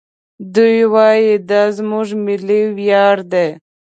دوی وايي دا زموږ ملي ویاړ دی.